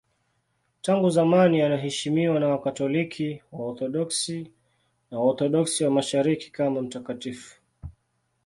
Tangu zamani anaheshimiwa na Wakatoliki, Waorthodoksi na Waorthodoksi wa Mashariki kama mtakatifu.